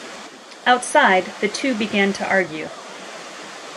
Outside, the two began to argue.